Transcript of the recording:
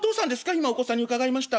今お子さんに伺いました。